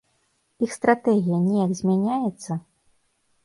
Іх стратэгія неяк змяняецца?